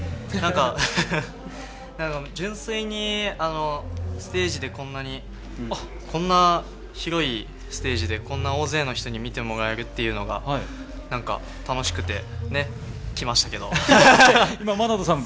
なんか、純粋に、ステージでこんなに、こんな広いステージで、こんな大勢の人に見てもらえるっていうのが、なんか楽しくて、ね、来ましたけど。